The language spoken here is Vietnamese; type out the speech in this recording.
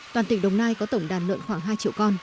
toàn tỉnh đồng nai có tổng đàn lợn khoảng hai triệu con